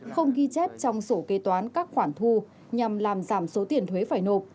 không ghi chép trong sổ kế toán các khoản thu nhằm làm giảm số tiền thuế phải nộp